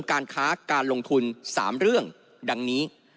การค้าการลงทุน๓เรื่องดังนี้